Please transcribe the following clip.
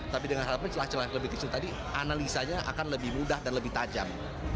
tapi dengan harapan celah celah yang lebih kecil tadi analisanya akan lebih mudah dan lebih tajam